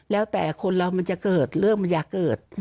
แล้วแต่คนเรามันจะเกิดเรื่องมันอยากเกิด